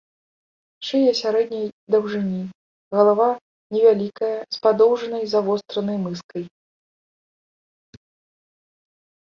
Шыя сярэдняй даўжыні, галава невялікая з падоўжанай, завостранай мыскай.